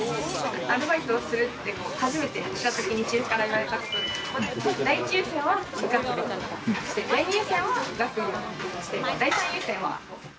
アルバイトをするって初めて来た時にチーフから言われたのが第１優先は部活動、第２優先は学業、第３優先は。